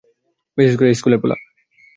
বিশেষ করে এই স্কুলের পোলা।